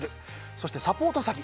そしてサポート詐欺。